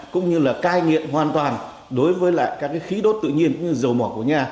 cũng như là cai nghiện hoàn toàn đối với lại các cái khí đốt tự nhiên như dầu mỏ của nga